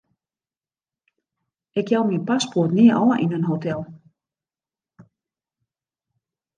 Ik jou myn paspoart nea ôf yn in hotel.